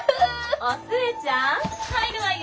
・お寿恵ちゃん入るわよ！